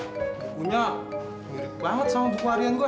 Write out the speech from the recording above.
bukunya mirip banget sama buku harian gua